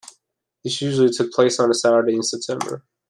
This usually took place on a Saturday in September.